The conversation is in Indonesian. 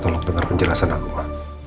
ma tolong dengar penjelasan aku ma